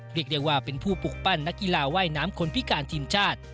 เรียกได้ว่าเป็นผู้ปลูกปั้นนักกีฬาว่ายน้ำคนพิการทีมชาติ